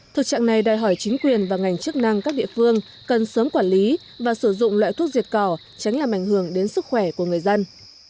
thực trạng này đòi hỏi chính quyền và ngành chức năng các địa phương cần sớm quản lý và sử dụng loại thuốc diệt cỏ tránh làm ảnh hưởng đến sức khỏe của người dân